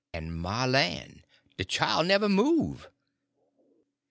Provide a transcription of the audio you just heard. _—en my lan', de chile never move'!